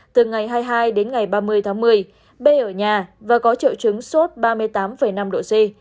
từ ngày hai mươi hai đến ngày ba mươi tháng một mươi b ở nhà và có triệu chứng sốt ba mươi tám năm độ c